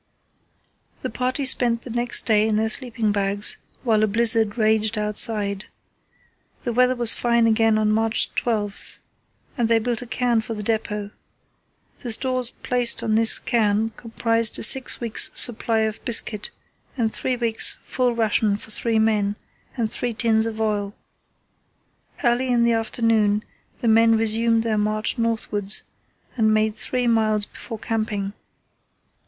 The party spent the next day in their sleeping bags, while a blizzard raged outside. The weather was fine again on March 12, and they built a cairn for the depot. The stores placed on this cairn comprised a six weeks' supply of biscuit and three weeks' full ration for three men, and three tins of oil. Early in the afternoon the men resumed their march northwards and made three miles before camping.